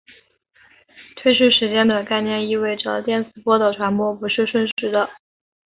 推迟时间的概念意味着电磁波的传播不是瞬时的。